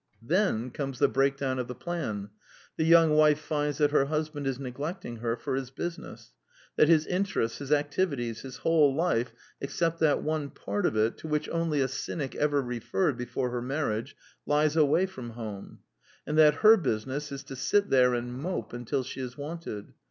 Then comes the breakdown of the plan. The young wife finds that her husband is neglecting her for his business ; that his interests, his activities, his whole life except that one part of it to which only a cynic ever referred before her marriage, lies away from home ; and that her business is to sit there and mope until she is wanted.